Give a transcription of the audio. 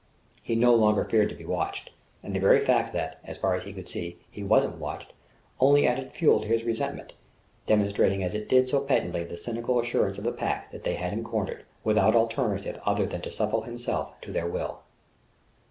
He no longer feared to be watched; and the very fact that, as far as he could see, he wasn't watched, only added fuel to his resentment, demonstrating as it did so patently the cynical assurance of the Pack that they had him cornered, without alternative other than to supple himself to their will.